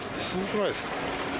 すごくないですか。